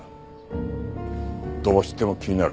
どうしても気になる。